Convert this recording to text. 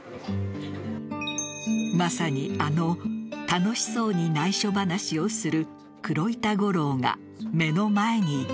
まさにあの楽しそうに内緒話をする黒板五郎が目の前にいた。